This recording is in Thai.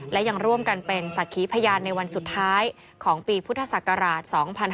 และยังร่วมกันเป็นสักขีพยานในวันสุดท้ายของปีพุทธศักราช๒๕๕๙